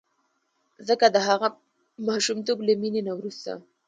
ځکه د هغه ماشومتوب له مینې نه وروسته.